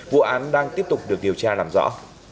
vụ án đang tiếp tục được điều tra làm rõ